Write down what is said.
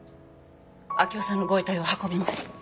明生さんのご遺体を運びます。